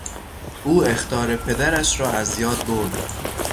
او اخطار پدرش را از یاد برد.